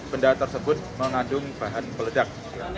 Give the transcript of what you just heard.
benda tersebut mengandung bahan peledak